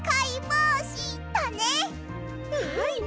はい！